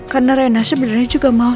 karena rena sebenarnya juga mau